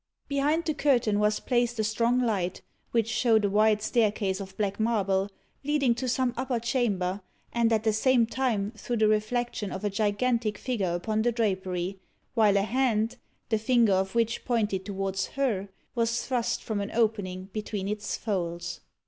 Behind the curtain was placed a strong light, which showed a wide staircase of black marble, leading to some upper chamber, and at the same time threw the reflection of a gigantic figure upon the drapery, while a hand, the finger of which pointed towards her, was thrust from an opening between its folds.